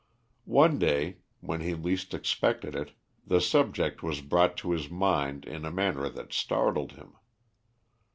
One day, when he least expected it, the subject was brought to his mind in a manner that startled him.